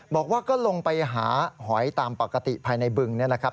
บอกว่าก็ลงไปหาหอยตามปกติภายในบึงนี่แหละครับ